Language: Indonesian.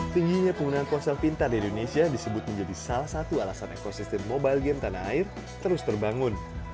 tingginya penggunaan ponsel pintar di indonesia disebut menjadi salah satu alasan ekosistem mobile game tanah air terus terbangun